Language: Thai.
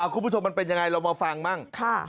คุณผู้ชมมันเป็นยังไงเรามาฟังบ้าง